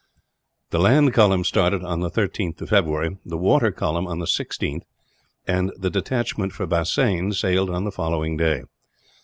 The land column started on the 13th of February, the water column on the 16th, and the detachment for Bassein sailed on the following day.